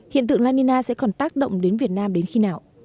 hiện tượng la nina sẽ còn tác động đến việt nam đến khi nào